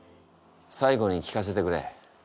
最後に聞かせてくれ。